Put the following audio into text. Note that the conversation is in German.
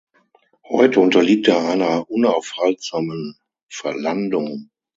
Heute unterliegt er einer unaufhaltsamen Verlandung.